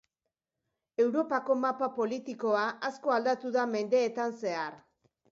Europako mapa politikoa asko aldatu da mendeetan zehar.